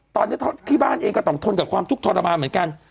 ตอนนี้ที่บ้านเองก็ต้องทนกับความทุกข์ทรมานเหมือนกัน